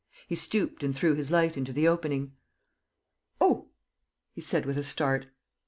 He stooped and threw his light into the opening: "Oh!" he said, with a start.